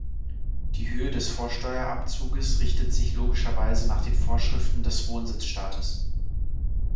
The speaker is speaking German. Die Höhe des Vorsteuerabzuges richtet sich logischerweise nach den Vorschriften des Wohnsitzstaates.